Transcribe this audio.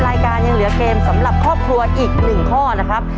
ยังเหลือเกมสำหรับครอบครัวอีก๑ข้อนะครับ